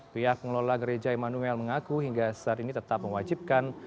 pihak pengelola gereja emanuel mengaku hingga saat ini tetap mewajibkan